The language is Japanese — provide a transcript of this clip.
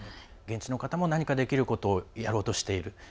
現地の方も何かできることをやろうとしている。